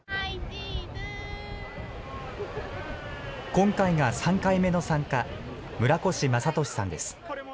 今回が３回目の参加、村越正俊さんです。